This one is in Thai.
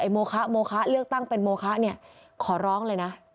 โมคะโมคะเลือกตั้งเป็นโมคะขอร้องเลยนะ